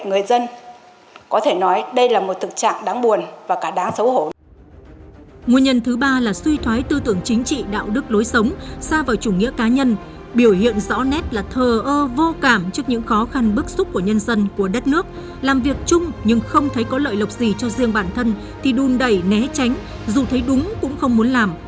nguyên nhân thứ ba là suy thoái tư tưởng chính trị đạo đức lối sống xa vào chủ nghĩa cá nhân biểu hiện rõ nét là thờ ơ vô cảm trước những khó khăn bức xúc của nhân dân của đất nước làm việc chung nhưng không thấy có lợi lộc gì cho riêng bản thân thì đun đẩy né tránh dù thấy đúng cũng không muốn làm